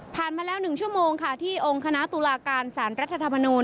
มาแล้ว๑ชั่วโมงค่ะที่องค์คณะตุลาการสารรัฐธรรมนูล